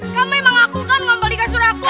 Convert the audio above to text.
kamu emang aku kan ngompel di kasur aku